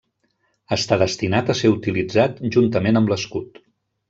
Està destinat a ser utilitzat juntament amb l'escut.